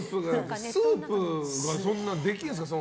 スープは自分でできるんですか。